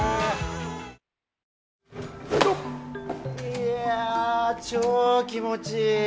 いや超気持ちいい。